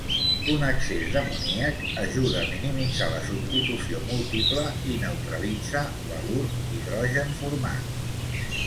Un excés d'amoníac ajuda a minimitzar la substitució múltiple i neutralitza l'halur d'hidrogen format.